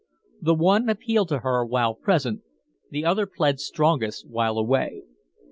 The one appealed to her while present, the other pled strongest while away.